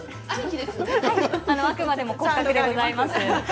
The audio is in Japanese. あくまでも骨格でございます。